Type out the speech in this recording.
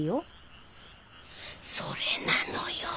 それなのよ！